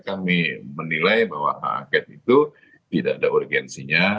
kami menilai bahwa hak angket itu tidak ada urgensinya